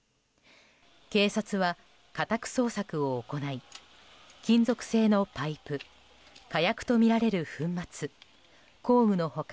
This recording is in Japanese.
警察は、家宅捜索を行い金属製のパイプ火薬とみられる粉末、工具の他